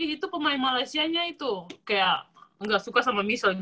itu pemain malaysianya itu kayak nggak suka sama michelle